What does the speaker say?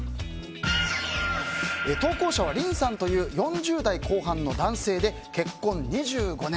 投稿者は凛さんという４０代後半の男性で結婚２５年。